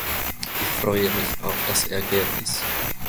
Ich freue mich auf das Ergebnis.